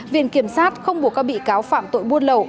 viện kiểm sát không buộc các bị cáo phạm tội buôn lậu